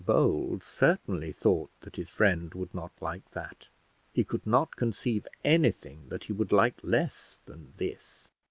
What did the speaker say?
Bold certainly thought that his friend would not like that: he could not conceive anything that he would like less than this.